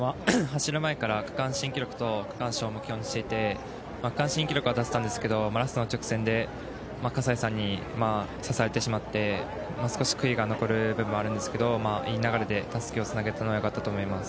走る前から区間新記録と区間賞を目標にしていて区間新記録は出せたんですがラストの直線で葛西さんに差されてしまって少し悔いが残りますがいい流れでたすきをつなげたのはよかったと思います。